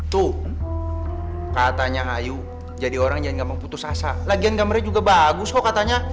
tuh katanya ayu jadi orang yang gampang putus asa lagian gambarnya juga bagus kok katanya